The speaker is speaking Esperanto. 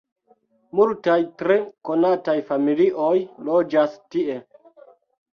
Multaj tre konataj familioj loĝas tie.